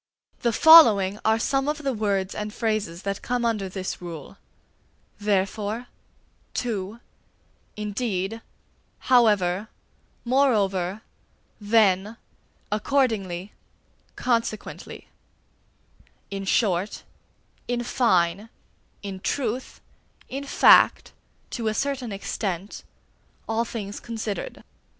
The following are some of the words and phrases that come under this rule: therefore, too, indeed, however, moreover, then, accordingly, consequently; in short, in fine, in truth, in fact, to a certain extent, all things considered.